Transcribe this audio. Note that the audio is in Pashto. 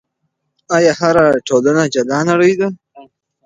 آیا هره ټولنه جلا نړۍ ده؟